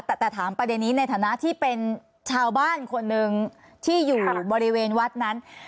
แต่ถามประเด็นนี้ในฐานะที่เป็นชาวบ้านคนหนึ่งที่อยู่บริเวณวัดนั้น